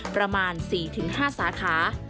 ประมาณ๔๕สาขา